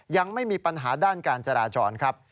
ยังไม่มีปัญหาด้านการจราจรครับ